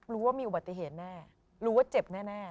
รู้ว่ามีอุบัติเหตุแน่รู้ว่าเจ็บแน่